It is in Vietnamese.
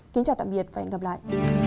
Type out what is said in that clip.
kính chào tạm biệt và hẹn gặp lại